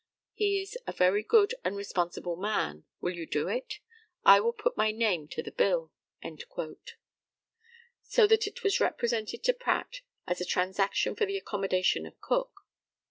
He is a very good and responsible man. Will you do it? I will put my name to the bill." So that it was represented to Pratt as a transaction for the accommodation of Cook.